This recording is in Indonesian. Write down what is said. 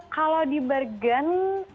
kalau di bergen